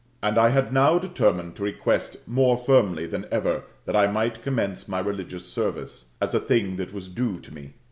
And I had now determined lo request more firmly than ever that I might commence my religious service, as a thing that was due to me.